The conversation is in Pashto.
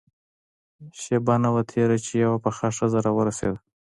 شېبه نه وه تېره چې يوه پخه ښځه راورسېده.